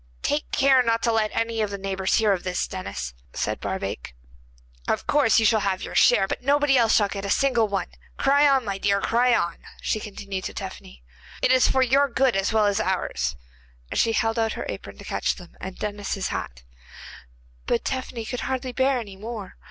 'Take care not to let any of the neighbours hear of it, Denis,' said Barbaik. 'Of course you shall have your share, but nobody else shall get a single one. Cry on, my dear, cry on,' she continued to Tephany. It is for your good as well as ours,' and she held out her apron to catch them, and Denis his hat. But Tephany could hardly bear any more.